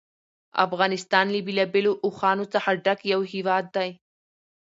افغانستان له بېلابېلو اوښانو څخه ډک یو هېواد دی.